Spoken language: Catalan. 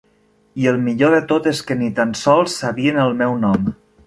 I el millor de tot és que ni tan sols sabien el meu nom.